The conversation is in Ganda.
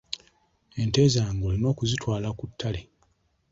Ente zange olina okuzitwala ku ttale.